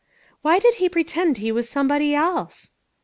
" Why did he pretend he was somebody else